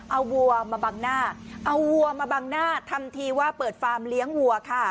เอาวัวมาบังหน้าเอาวัวมาบังหน้าทำทีว่าเปิดฟาร์มเลี้ยงวัวค่ะ